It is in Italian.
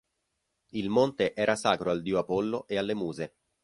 Il monte era sacro al dio Apollo e alle Muse.